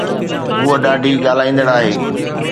هوءَ ڏاڍي ڳالهائيندڙ آهي